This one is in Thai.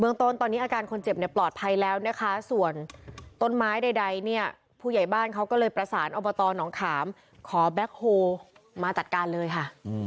ต้นตอนนี้อาการคนเจ็บเนี่ยปลอดภัยแล้วนะคะส่วนต้นไม้ใดเนี่ยผู้ใหญ่บ้านเขาก็เลยประสานอบตหนองขามขอแบ็คโฮมาจัดการเลยค่ะ